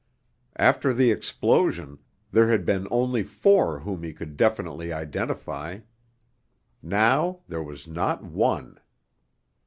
After the explosion, there had been only four whom he could definitely identify. Now there was not one.